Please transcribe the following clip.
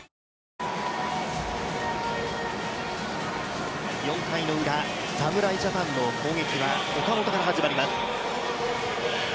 あ４回のウラ侍ジャパンの攻撃は岡本から始まります。